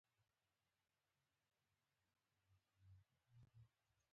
د کنړ ځنګلونه ملي پانګه ده؟